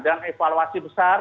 dan evaluasi besar